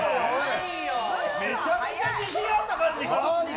めちゃくちゃ自信あった感じ。